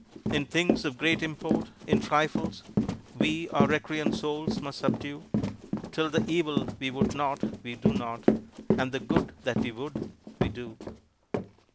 In things of great import, in trifles, We our recreant souls must subdue Till the evil we would not we do not And the good that we would we do.